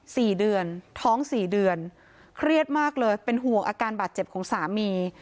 สี่เดือนท้องสี่เดือนเครียดมากเลยเป็นห่วงอาการบาดเจ็บของสามี